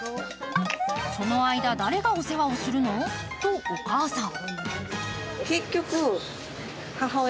その間、誰がお世話をするの？とお母さん。